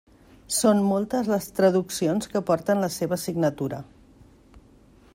Són moltes les traduccions que porten la seva signatura.